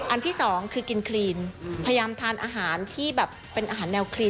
ที่สองคือกินคลีนพยายามทานอาหารที่แบบเป็นอาหารแนวคลีน